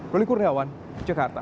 roli kuriawan jakarta